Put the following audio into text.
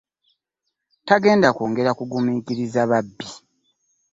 Tagenda kwongera kuguminkiriza babbi.